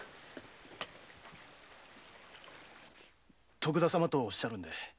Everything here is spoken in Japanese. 徳田様とおっしゃるんで？